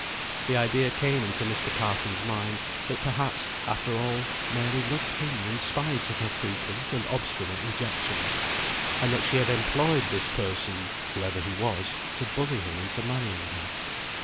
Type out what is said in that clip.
The idea came into Mr. Carson's mind, that perhaps, after all, Mary loved him in spite of her frequent and obstinate rejections; and that she had employed this person (whoever he was) to bully him into marrying her.